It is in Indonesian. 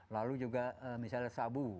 lalu juga misalnya sabu